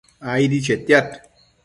aidi chetiad